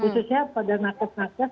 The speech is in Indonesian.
khususnya pada nakas nakas